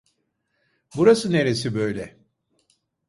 Burası neresi böyle?